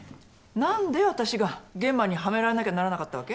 何で私が諫間にはめられなきゃならなかったわけ？